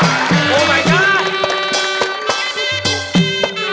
มีชื่อว่าโนราตัวอ่อนครับ